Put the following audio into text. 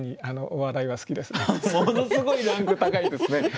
ものすごいランク高いですね。